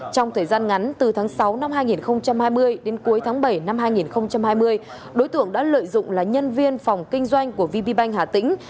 trong thời gian ngắn từ tháng sáu năm hai nghìn hai mươi đến cuối tháng bảy năm hai nghìn hai mươi đối tượng đã lợi dụng là nhân viên phòng kinh doanh của vb bank hà tĩnh